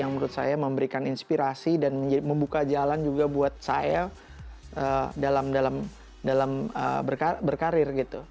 yang menurut saya memberikan inspirasi dan membuka jalan juga buat saya dalam berkarir gitu